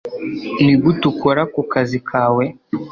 Nigute ukora kukazi kawe